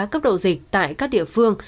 cấp độ dịch tại các địa phương